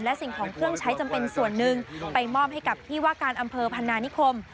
และสิ่งของเครื่องใช้จำเป็นส่วนหนึ่งไปมอบให้กับที่ว่าการอำเภอพนานิคม